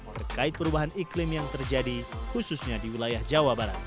terkait perubahan iklim yang terjadi khususnya di wilayah jawa barat